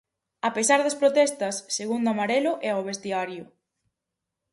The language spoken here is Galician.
A pesar das protestas, segundo amarelo e ao vestiario.